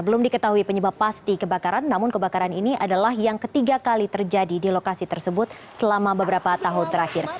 belum diketahui penyebab pasti kebakaran namun kebakaran ini adalah yang ketiga kali terjadi di lokasi tersebut selama beberapa tahun terakhir